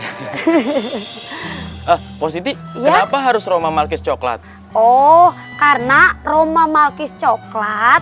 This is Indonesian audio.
kicks back poster posisi kenapa harus roma malkis coklat oh karena roma malkis coklat